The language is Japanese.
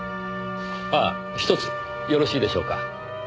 ああひとつよろしいでしょうか。